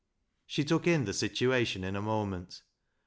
She took in the situation in a moment.